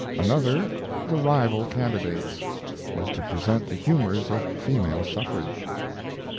Another, "The Rival Candidates," was to present the humors of female suffrage.